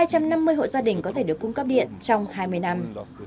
hai trăm năm mươi hộ gia đình có thể được cung cấp điện trong hai mươi năm